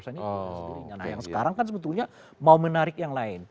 nah yang sekarang kan sebetulnya mau menarik yang lain